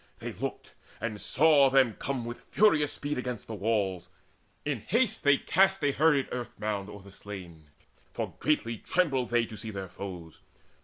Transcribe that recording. They looked, and saw them come With furious speed against the walls. In haste They cast a hurried earth mound o'er the slain, For greatly trembled they to see their foes.